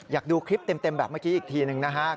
อยากดูคลิปเต็มแบบเมื่อกี้อีกทีหนึ่งนะครับ